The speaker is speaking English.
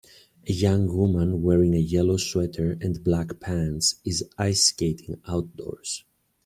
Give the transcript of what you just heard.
A young woman wearing a yellow sweater and black pants is ice skating outdoors.